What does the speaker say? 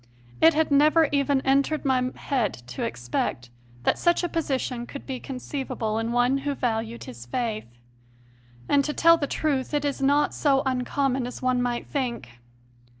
It had never even entered my head to expect that such a position could be conceivable in one who valued his faith. And, to tell the truth, it is not so un common as one might think.